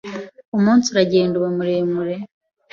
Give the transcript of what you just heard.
Umunsi uragenda uba muremure.